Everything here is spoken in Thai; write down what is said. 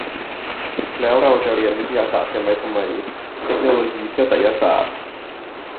แล้วเราจะเรียนวิทยาศาสตร์กันไปทำไม เทคโนโลยีเพื่อไสยศาสตร์ ?